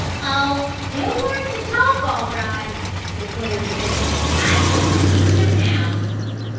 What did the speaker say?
"Oh, he'll learn to talk all right," declared Rick. "I'm going to teach him now."